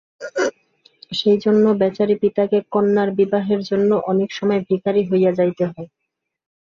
সেইজন্য বেচারী পিতাকে কন্যার বিবাহের জন্য অনেক সময় ভিখারী হইয়া যাইতে হয়।